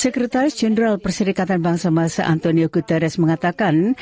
sekretaris jenderal perserikatan bangsa masa antonio guterres mengatakan